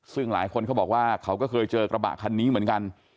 ซึ่งหลายคนเขาบอกว่าเขาก็เคยเจอกระบะคันนี้เหมือนกัน